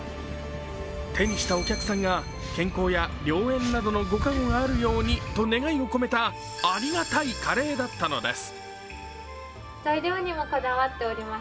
手にしたお客さんが健康や良縁などのご加護があるようにと願いを込めたありがたいカレーだったのです。